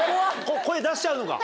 声出しちゃうのか？